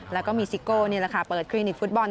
แล้วก็มีซิโก้เปิดคลินิกฟุตบอล